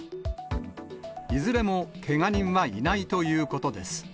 いずれもけが人はいないということです。